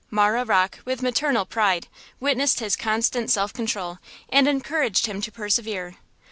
Marah Rocke, with maternal pride, witnessed his constant self control and encouraged him to persevere.